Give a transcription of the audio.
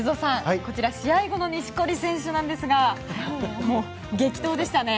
こちら試合後の錦織選手ですがもう、激闘でしたね。